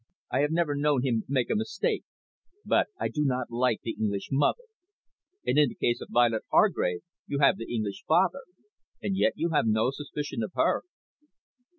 I have never known him make a mistake. But I do not like the English mother." "And, in the case of Violet Hargrave, you have the English father. And yet, you have no suspicion of her."